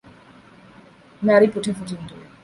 Mary put her foot into it.